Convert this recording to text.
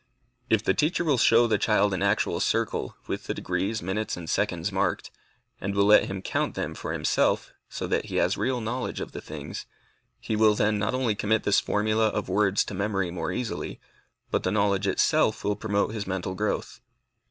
If the teacher will show the child an actual circle, with the degrees, minutes, and seconds marked, and will let him count them for himself, so that he has a real knowledge of the things, he will then not only commit this formula of words to memory more easily, but the knowledge itself will promote his mental growth.